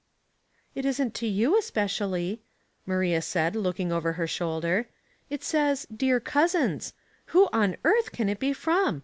" It isn't to you especiall}^" Maria said, look ing over her shoulder. " It says 'Dear Cousins,* Who on earth can it be from